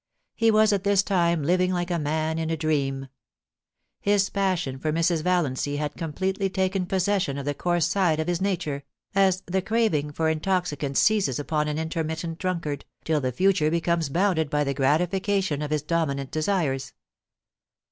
He was at this time living like a man in a dream. His passion for Mrs. Val iancy had completely taken possession of the coarse side of his nature, as the craving for intoxicants seizes upon an intermittent drunkard, till the future becomes bounded by the gratification of his dominant desires.